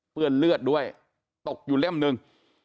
เลือดด้วยตกอยู่เล่มหนึ่ง